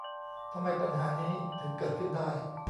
ทำไมปัญหานี้ถึงเกิดขึ้นได้ ?